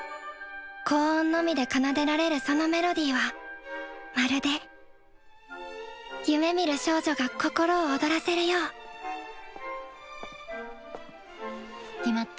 高音のみで奏でられるそのメロディーはまるで夢みる少女が心を躍らせるよう決まった？